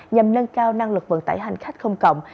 nhằm nâng cao năng lực vận tải hành khách công cộng